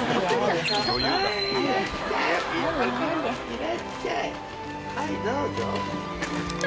いらっちゃいはいどうぞ。